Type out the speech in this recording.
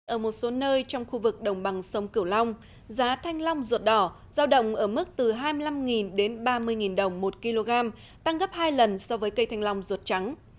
ở một số nơi trong khu vực đồng bằng sông cửu long giá thanh long ruột đỏ giao động ở mức từ hai mươi năm đến ba mươi đồng một kg tăng gấp hai lần so với cây thanh long ruột trắng